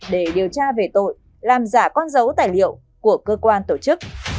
để điều tra về tội làm giả con dấu tài liệu của cơ quan tổ chức